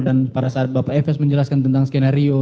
dan pada saat bapak efes menjelaskan tentang skenario